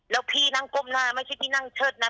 แล้วพี่นั่งก้มหน้าไม่ใช่พี่นั่งเชิดนะ